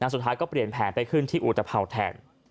สุดท้ายก็เปลี่ยนแผนไปขึ้นที่อุตภัวร์แทน